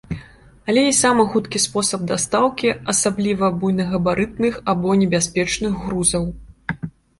Але і самы хуткі спосаб дастаўкі, асабліва буйнагабарытных або небяспечных грузаў.